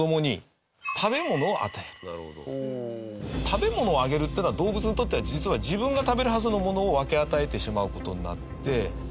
食べ物をあげるっていうのは動物にとっては実は自分が食べるはずのものを分け与えてしまう事になって。